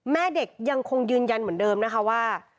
แม่เด็กยังคงยืนยันเหมือนเดิมนะคะว่า